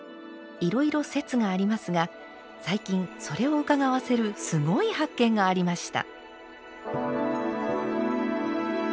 いろいろ説がありますが最近それをうかがわせるすごい発見がありました。